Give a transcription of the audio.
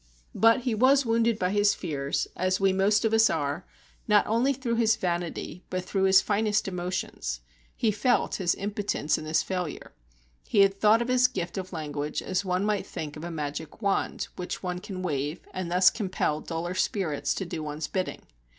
But he was wounded by his fears, as we most of us are, not only through his vanity but through his finest emotions. He felt his impotence and his failure. He had thought of his gift of language as one might think of a magic wand which one can wave, and thus compel duller spirits to do one's bidding.